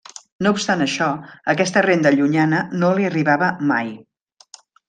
No obstant això, aquesta renda llunyana no li arribava mai.